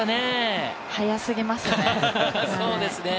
速すぎますね。